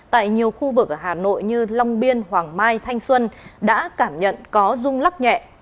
tại nhiều khu vực ở hà nội như long biên hoàng mai thanh xuân đã cảm nhận có rung lắc nhẹ